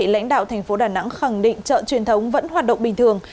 lãnh đạo tp đà nẵng khẳng định chợ truyền thống vẫn hoạt động bình thường